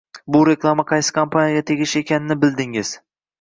Bu reklama qaysi kompaniyaga tegishli ekanini bildingiz.